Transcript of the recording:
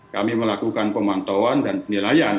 kami melakukan pemantauan dan penilaian